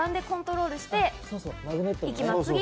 橋の動きをコントロールしていきます。